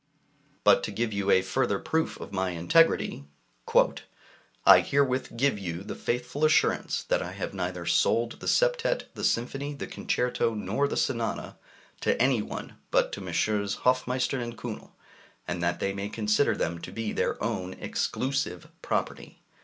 But to give you a further proof of my integrity, "I herewith give you the faithful assurance that I have neither sold the septet, the symphony, the concerto, nor the sonata to any one but to Messrs. Hofmeister and Kühnel, and that they may consider them to be their own exclusive property.